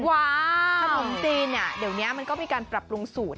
ขนมจีนเดี๋ยวนี้มันก็มีการปรับปรุงสูตร